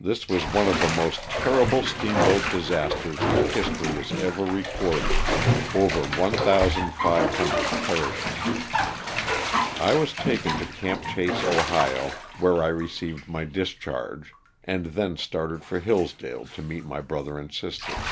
This was one of the most terrible steamboat disasters that history has ever recorded, over 1,500 perishing. I was taken to '^ Camp Chase," Ohio, where I received my discharge, and then started for Hillsdale to meet my brother and sister.